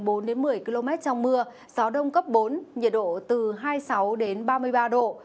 xuống bốn một mươi km trong mưa gió đông cấp bốn nhiệt độ từ hai mươi sáu ba mươi ba độ